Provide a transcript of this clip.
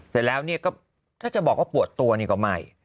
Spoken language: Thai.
เสร็จแล้วถ้าเกบบอกว่าปวดตัวเนี่ยก็ไม่